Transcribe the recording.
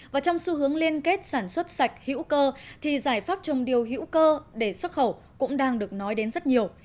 và trong xu hướng liên kết sản xuất sạch hữu cơ thì giải pháp trồng điều hữu cơ để xuất khẩu cũng đang được nói đến rất nhiều